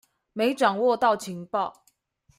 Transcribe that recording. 沒掌握到情報